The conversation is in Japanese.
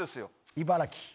茨城。